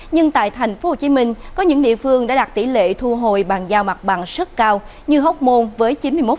nhưng tại tp hcm có những địa phương đã đạt tỷ lệ thu hồi bàn giao mặt bằng rất cao như hóc môn với chín mươi một